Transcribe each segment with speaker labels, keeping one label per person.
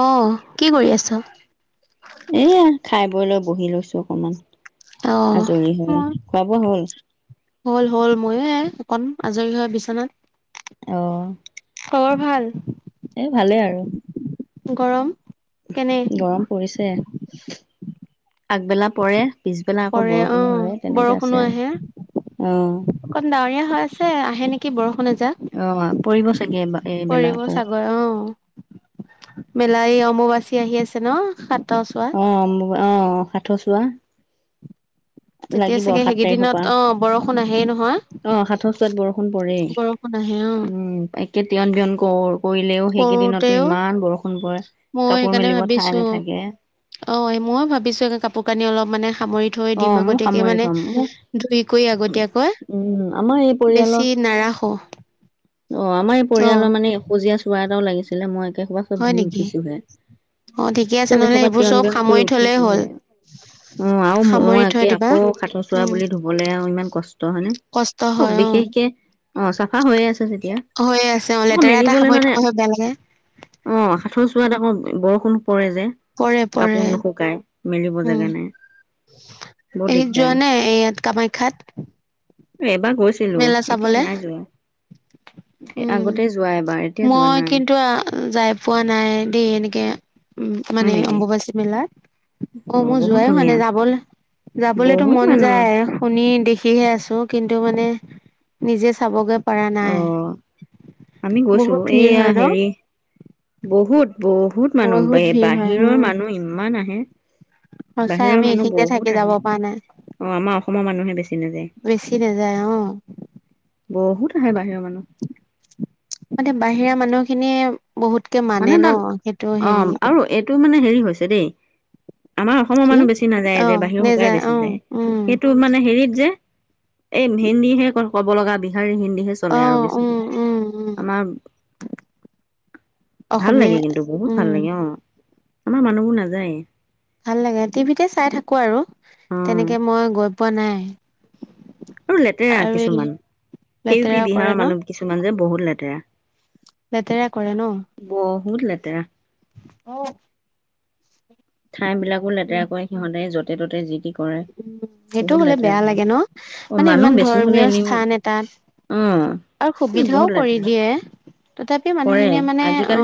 Speaker 1: অহ কি কৰি আছ
Speaker 2: বোলো বহি লৈছো অকণমান আজৰি হৈ খোৱা বোৱা হ'ল
Speaker 1: হ'ল হল ময়ো অকণ আজৰি হৈ বিচনাত
Speaker 2: আঁহ
Speaker 1: খবৰ ভাল গৰম
Speaker 2: গৰম পৰিছে আগবেলা পৰে
Speaker 1: পৰে অঁ বৰষুণো আহে অকণ ডাৱৰীয়া হৈ আছে আহে নেকি বৰষুণ এজাক পৰিব চাগৈ আহ মেলাই অমুবাচী আহি আছে ন সাত ত চোৱাত
Speaker 2: অঁ সাতৰ চোৱা লাগিব সাত তাৰিখৰ পৰা অঁ সাত চোৱাত বৰষুণ পৰে উম একে তিয়ন তিয়ন কৈ কও কৰিলেও সেইকেইদিনতো ইমান বৰষুণ
Speaker 1: মই সেইকাৰণে ভাবিছো অঁ মই ভাবিছো কাপোৰ কানি অলপ মানে সামৰি থৈ দিম আগতীয়াকে মানে ধুই কৰি আগতীয়াকৈ বেছি নাৰাখো
Speaker 2: অঁ আমাৰ এই পৰিয়ালৰ মানে সজীয়া কিবা এটাও লাগিছিলে মই সেসোবা চব ধুই উঠিছোহে। চব এসোবাৰ তিৰন বিৰন কৰি উঠিছোহে অ আৰু মই একে আকৌ সঠৰ চোৱা বুলি ধুবলৈ আৰু ইমান কষ্ট হয়নে আও বিশেষকে অঁ চাফা হৈ আছে তেতিয়া আকৌ মেলিবলৈ মানে অ সাঠৰ চোৱাত আকৌ বৰষুণ
Speaker 1: পৰে পৰে উম এই যোৱা নে এই ইয়াত কামাখ্যাত
Speaker 2: এবাৰ গৈছিলো এতিয়া নাই যোৱা
Speaker 1: উম মই কিন্তু যাই পোৱা নাই দেই এনেকে উম মানে অম্বুবাচী মেলাত অ মই যোৱাই মানে যাবলৈ যাবলৈতো মন যায় শুনি দেখিহে আছো কিন্তু মানে নিজে চাবগে
Speaker 2: অ আমি গৈছো এইয়া হেৰি বহুত বহুত মানুহ বাহিৰৰ মানুহ ইমান আহে বাহিৰৰ মানুহ বহুত আহে অ আমাৰ অসমৰ মানুহে বেছি।
Speaker 1: বেছি নাযায় অ।
Speaker 2: বহুত আহে বাহিৰৰ মানে।
Speaker 1: মানে বাহিৰা মানুহ। খিনিয়ে।
Speaker 2: মানে তাত অ আৰু এইটো মানে হেৰি হৈছে। ছে দেই। আমাৰ অসমৰ মানুহ বেছি নাযায় যে বাহিৰৰ শুকাই বেছি যায় সেইটো মানে হেৰিত যে এই হেন্দীহে। কব লগা বিষাৰখিনি। চলে আৰু বেছ আমাৰ। ভাল লাগে কিন্তু বহুত ভাল লাগে অ। আমাৰ মানুহবোৰ নাযায়।
Speaker 1: ভাল লাগে টিভিতে চাই থাকো আৰু। তেনেকে মই গৈ পোৱা নাই। উম [unintelligible]
Speaker 2: আৰু লেতেৰা কিছুমান ইউ পি বিহাৰৰ মানুহ কিছুমান যে বহুত লেতেৰা।
Speaker 1: লেতেৰা কৰে ন অহ।
Speaker 2: ঠাই বিলাকো লেতেৰা কৰে সিহঁতে যত। ততে যিতি।
Speaker 1: উম সেইটো হলে বেয়া লাগে ন মানে ইমান ধৰ্মীয় স্থান এটাত আৰু সুবিধাও কৰি দিয়ে তথাপি মানুহখিনিয়ে মানে অ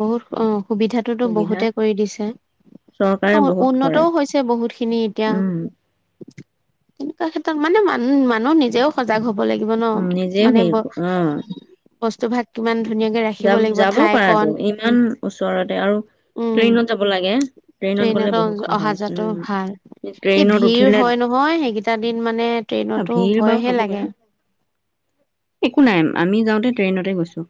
Speaker 1: বহুত অ সুবিধাটোতো বহুতে কৰি। আঁতৰি দিছে অহ ', উন্নত হৈছে বহুত খিনি। খিনি এতিয়া। তেনেকুৱা ক্ষেত্ৰত মানে মানুহ- মানুহ নিজেও সজাগ হ'ব। হব লাগিব ন, মানে? বস্তু ভাগ কিমান?
Speaker 2: য- যাব পাৰাতটো ইমান ওচৰতে আৰু ট্ৰেইনত যাব লাগে। ট্ৰেইনত গ'লে বহুত সহজ উম',।
Speaker 1: এই ভিৰ হয় নহয় সেইকেইটা দিন মানে ট্ৰেইনতো ভয়হে লাগে।
Speaker 2: ট্ৰেইনতে গৈছো।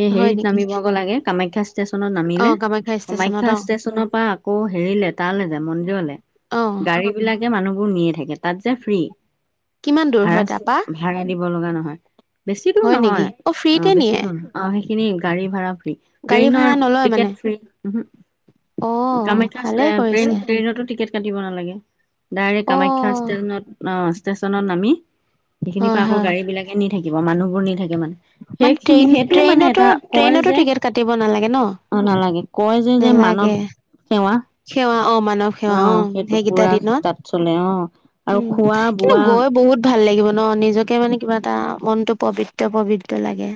Speaker 2: এই হেৰিত নামিবগ লাগে কামাখ্যা ষ্টেচনত নামিলে কামাখ্যা ষ্টেচনৰ পৰা আকৌ হেৰিলে তালৈ যা ময় মন্দিৰলৈ গাড়ী বিলাকে মানুহ। কুমি নে থাকে তাত যে ফ্ৰী। ভাচ ভাৰা দিব লগা নহয়। বেছি দূৰ নহয় অহ ', বেছি দূৰ নহয়। সেইখিনি গাড়ী ভাড়া ফ্ৰী ট্ৰেইনৰ টিকেট ফ্ৰী ওহো কামাখ্যা ট্ৰেইন- ট্ৰেইনতো টিকট কাটি টিব নালাগে। ডাইৰেক কামাখ্যা ষ্টেচনত, অ ষ্টেচন সেইকণত নামি সেইখিনি পৰা আকৌ গাড়ী বিলাকে নি থাকিব, মানুহবোৰ নি থাকে মানে। সেইখিনিহে
Speaker 1: ট্ৰেইনতো - ট্ৰেইনতো টিকেট কাটিব নালাগে ন? নালাগে সেৱা অ মানৱ সেৱা অ সেইকেইটা দিনত উম কিন্তু গৈ বহুত ভাল ভাল লাগিব ন, নিজকে মানে কিবা এটা মনটো পবিত্ৰ-পবিত সেইটো লাগে।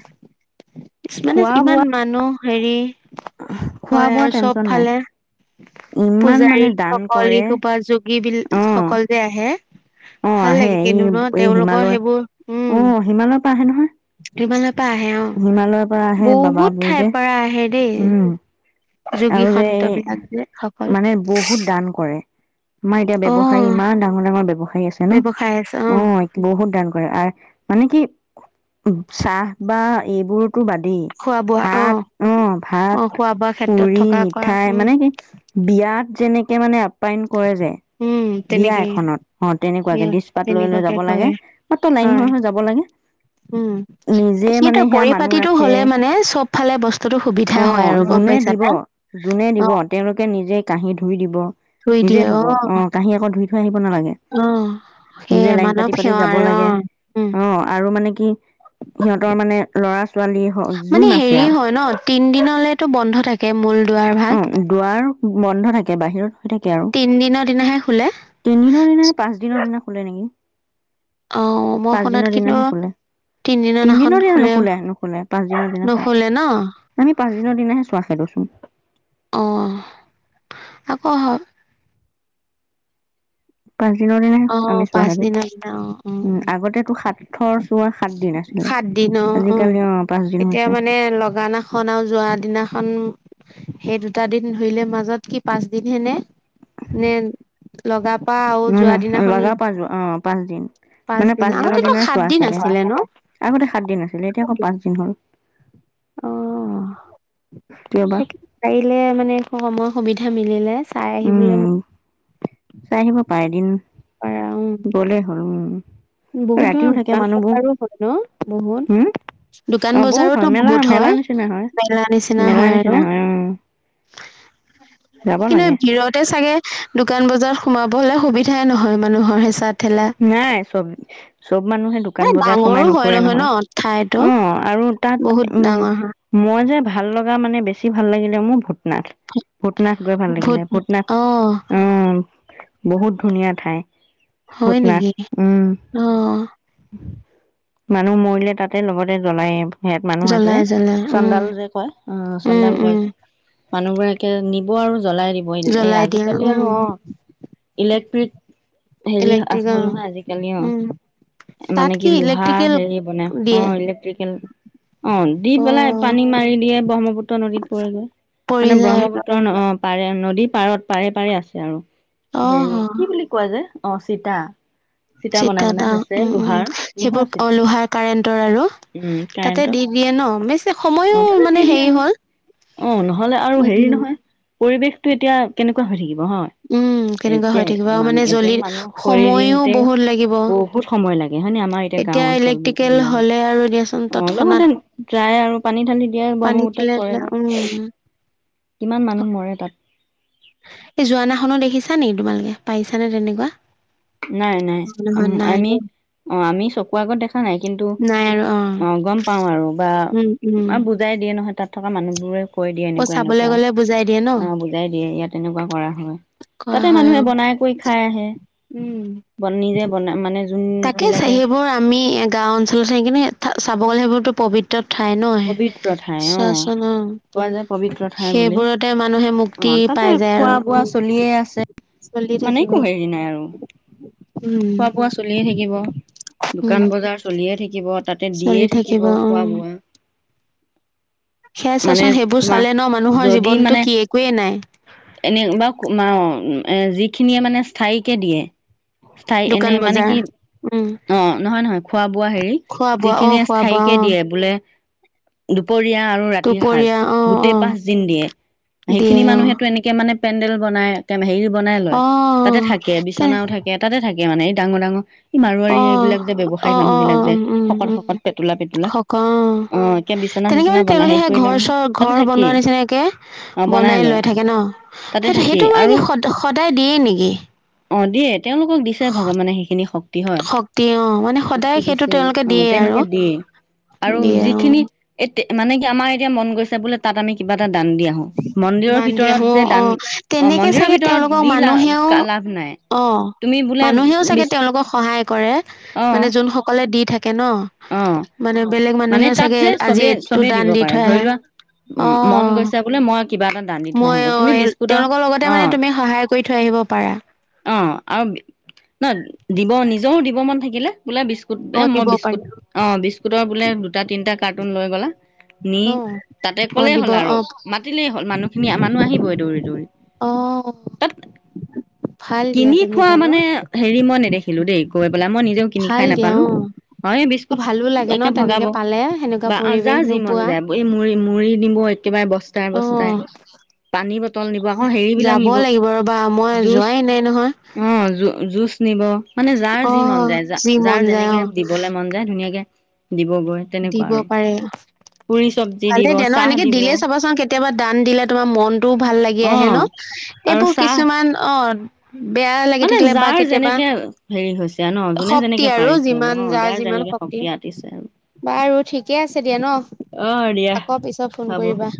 Speaker 1: মানে ইমান মানুহ। হেৰি হয় আৰু চব ফালে পূজাৰীসকল, ইসোপা যোগী কি পিল সকল যে আহে।
Speaker 2: অ আহে এই এই হিমালয় অ হিমালয়ৰ পৰা আহে নহয়।
Speaker 1: কি [unintelligible] পা আহে অ, বহুত ঠাইৰ পৰা আহে দেই।
Speaker 2: আৰু যে এ মানে বহুত দান কৰে। আমাৰ এতিয়া ব্যৱসায়ী ইমান ডাঙৰ ডাঙৰ ব্যৱসায়ী আছে ন। অ বহুত দান কৰে আ মানে কি চাহ বা এইবোৰ টো বাদেই ভাত অঁ ভাত পুৰি মিঠাই মানে কি বিয়াত তেনেকে মানে আপ্যায়ন কৰে যে বিয়া এখনত অঁ তেনেকুৱাকে দিছপাত লৈ লৈ যাব লাগে মাত্ৰ লাইন হৈ হৈ যাব লাগে নিজে মানে সেয়া মানুহ ৰাখে অঁ যোনে দিব দিব যোনে দিব তেওঁলোকে নিজে কাঁহি ধুই দিব নিজে ধুব অঁ কাঁহি আকৌ ধুই থৈ আহিব ধুব নালাগে নিজে লাইন পাতি পাতি যাব লাগে অঁ আৰু মানে কি সিহঁতৰ মানে ল'ৰা
Speaker 1: মানে হেৰি হয় ন তিন দিনলেতো বন্ধ থাকে মূল দুৱাৰ ভাগ
Speaker 2: বন্ধ থাকে বাহিৰত থাকে আৰু তিনদিনৰ দিনা নে পাঁচ দিনৰ দিনা খোলে নেকি পাঁচদিনৰ দিনাহে খোলে তিনদিনৰ দিনা নুখোলে নুখোলে পাঁচদিনৰ দিনা খোলে আমি পাঁচদিনৰ দিনাহে চোৱা খেদো
Speaker 1: অঁ আকৌ হয় অঁ পাঁচ দিনৰ দিন আছিলে অঁ উম সাত দিন অঁ অঁ এতিয়া মানে লগানাখন আৰু যোৱা দিনাখন সেই দুটা দিন ধৰিলে মাজত কি পাঁচদিন হে নে নে লগা পা
Speaker 2: উম লগাপা যোৱা উম অঁ পাঁচদিন মানে পাঁচদিনৰ দিনাই চোৱা খেদে আগতে সাঁত দিন আছিলে এতিয়া আকৌ পাঁচদিন হ'ল
Speaker 1: অঁ তাকে পাৰিলে মানে সময় সুবিধা মিলিলে চাই আহিবলৈ মই
Speaker 2: চাই আহিব পাৰে এদিন গ'লে হ'ল উম
Speaker 1: বহুত ধৰক দোকান বজাৰো হয় ন বহুত দোকান বজাৰোতো বহুত হয় মেলা নিচিনা হয় আৰু কিন্তু ভিৰতে চাগে দোকান বজাৰ সোমাবলে সুবিধাই নহয় মানুহৰ হেঁচাত
Speaker 2: নাই চব চব মানুহে দোকান বজাৰত সোমাই নুফুৰে নহয়, অঁ আৰু তাত উম মই যে ভাল লগা মানে বেছি ভাল লাগিলে মোৰ ভত ভূটনাথ, ভূটনাথ গৈ ভাল লাগিলে, ভূটনাথ উম। বহুত ধুনীয়া ঠাই।
Speaker 1: হয় নেকি অ
Speaker 2: মানুহ মৰিলে তাতে লগতে জ্বলায় সেয়াত মানুহ আছে, চন্দাল যে কয় অহ চন্দাল কয় যে মানুহ গৰাকীয়ে নিব আৰু জ্বলাই দিব এই আজিকালি আৰু অ, ইলেক্ট্ৰিক হেৰিয়া আচল নহয় আজিকালি অ, মানে কি লোহা হেৰি বনাই অ ইলেক্ট্ৰিকেল, অ দি পেলাই পানী মাৰি দিয়ে ব্ৰহ্মপুত্ৰ নদীত পৰি গৈ, মানে ব্ৰহ্মপুত্ৰ অ পাৰে, নদীৰ পাৰত পাৰে পাৰে আছে অ। হেৰি কি বুলি কোৱা যে অঁ। চিতা
Speaker 1: চিটাত অ, উম উম, সেইবোৰ লোহাৰ কাৰেণ্টৰ আৰু তাতে দি দিয়ে ন, বেছি সময়ো মানে হেৰি হ'ল উম।
Speaker 2: পৰিৱেশটো এতিয়া কেনেকুৱা হৈ থাকে
Speaker 1: উম কেনেকুৱা হৈ থাকিব আৰু মানে জ্বলি
Speaker 2: কৰি দিওঁতে, বহুত সময় লাগে হয় নে আমাৰ এতিয়া গাও অঞ্চল বিলাকত, অ লগতে যাই আৰু পানী ঢালি দিয়ে ব্ৰহ্মপুত্ৰত পৰেগৈ, কিমান মানুহ মৰে তাত
Speaker 1: এই যোৱানাখনো দেখিছা নেকি তোমালোকে পাইছা নে তেনেকুৱা?
Speaker 2: নাই নাই, আমি অ আমি চকু আগত দেখা নাই কিন্তু অ গম পাও আৰু বা বুজাই দিয়ে নহয় তাত থকা মানুহবোৰে কৈ দিয়ে এনেকুৱা এনেকুৱা, অ বুজাই দিয়ে ইয়াত এনেকুৱা কৰা হয় তাতে মানুহে বনাই কৰি খাই আহে।
Speaker 1: তাকে সেইবোৰ আমি গাও অঞ্চলত সেই কিনে চাব সেইবোৰতো পৱিত্ৰ ঠাই ন, চোৱা চোন অ, সেইবোৰতে মানুহে মুক্তি পাই যায় আৰু।
Speaker 2: বোৱা চলিয়ে আছে। মানে একো হেৰি নাই আৰু, খোৱা বোৱা চলিয়ে থাকিব দোকান বজাৰ চলিয়ে থাকি থাকিব। তাতে দিয়ে থাকিব খোৱা বোৱা
Speaker 1: সেয়া চাচোন সেইবোৰ চালে ন মানুহৰ জীৱনটো কি একোৱেই নাই
Speaker 2: এনে বা কোমাও যিখিনিয়ে মানে স্থায়ীকে দিয়ে স্থায়ী এনেই মানে কি অ নহয় নহয় খোৱা বোৱা হেৰি যিখিনিয়ে স্থায়ীকে দিয়ে বোলে দু দুপৰীয়া আৰু ৰাতিৰ সাজ গোটেই পাঁচ দিন দিয়ে সেইখিনি মানুহেটো এনেকে মানে পেণ্ডেল বনাই হেৰি বনাই লয় তাতে থাকে বিচনাও থাকে তাতে থাকে মানে ডাঙো ডাঙো
Speaker 1: অ অ অ অ উম উম উম হক অ তেনেকে মানে তেওঁলোকে সেই ঘৰ চৰ ঘৰ বনোৱা নিচিনাকে বনাই লৈ থাকে ন ন সেইটো সেইটো মানে কি স সদায় দিয়েই নেকি
Speaker 2: অ দিয়ে তেওঁলোকক দিছে ভগৱানে সেইখিনি শক্তি হয় শক্তি দিছে অ তেওঁলোকে দিয়ে আৰু যিখিনি এ মানে কি আমাৰ এতিয়া মন গৈছে বোলে ত আমি কিবা এটা দান দি আহো মন্দিৰৰ ভিতৰত
Speaker 1: উম অ তেনেকেই চাগে তেওঁলোকক মানুহেও অ মানুহেও চাগে তেওঁলোকক সহায় কৰে মানে যোনসকলে দি থাকে তাকে ন মানে বেলেগ মানুহে চাগে আজি এইটো দান দি থৈ আহে অ মই অ তেওঁলোকৰ লগতে মানে তুমি সহায় কৰি থৈ আহিব পাৰা
Speaker 2: অঁ আৰু ন দিব নিজৰও দিব মন থাকিলে বোলে বিস্কুট এ মই বিস্কুট অ বিস্কুটৰ বোলে দুটা তিনিটা কাৰ্টুন লৈ গ'লা নি তাতে কলেই হ'ল আৰু মাতিলেই হ'ল মানুহখিনি মানুহ আহিবই দৌৰি দৌৰি তাত কিনি খোৱা মানে হেৰি মই নেদেখিলোঁ দেই গৈ মই নিজেও কিনি খাই নাপালো এই বিস্কুত একে ভগাব বা যাৰ যি মন যায় এই মুৰি মুৰি নিব এক-
Speaker 1: অ যাব লাগিব ৰবা মই যোৱাই না-
Speaker 2: অ জ জুজ নিব মানে যাৰ যি মন যায় য যাৰ যেনেকে দিবলৈ মন যায় ধুনীয়াকে
Speaker 1: দিব পাৰে ভালেই দে ন এনেকে দিলেই চাবাচোন কেতিয়াবা দান দিলে তোমাৰ মনটোও ভাল লাগি আহে ন এইবোৰ কিছুমান অ
Speaker 2: মানে যাৰ যেনেকে হেৰি হৈছে ন যোনে যেনেকে পাৰিছে ন যাৰ যেনেকে শক্তি আতিছে
Speaker 1: বাৰু ঠিকে আছে দিয়া ন আকৌ পিছত ফোন কৰিবা